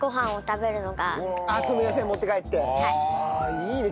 いいね。